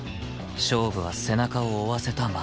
勝負は背中を追わせたまま